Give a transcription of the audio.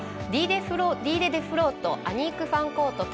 ディーデ・デフロートアニーク・ファンコート対